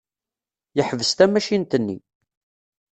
Yeḥbes tamacint-nni.